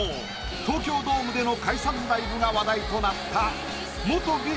東京ドームでの解散ライブが話題となった。